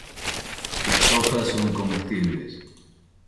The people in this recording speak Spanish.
Las hojas son comestibles.